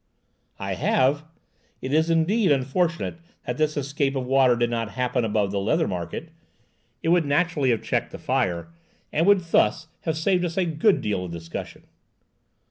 "I have. It is indeed unfortunate that this escape of water did not happen above the leather market! It would naturally have checked the fire, and would thus have saved us a good deal of discussion."